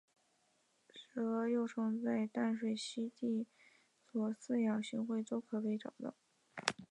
石蛾幼虫在淡水栖息地的所有饲养行会都可以被找到。